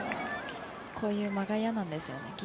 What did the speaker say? こういう間が嫌なんですよね。